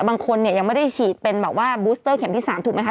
บางคนเนี่ยยังไม่ได้ฉีดเป็นบุสเตอร์เข็มที่๓ถูกมั้ยคะ